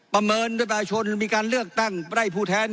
ประเมินด้วยประชาชนมีการเลือกตั้งไร่ผู้แทน